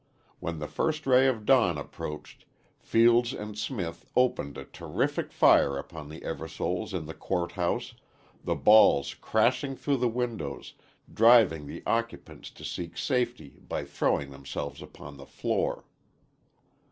When the first ray of dawn approached, Fields and Smith opened a terrific fire upon the Eversoles in the court house, the balls crashing through the windows, driving the occupants to seek safety by throwing themselves upon the floor.